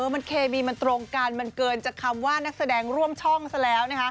มันเคมีมันตรงกันมันเกินจากคำว่านักแสดงร่วมช่องซะแล้ว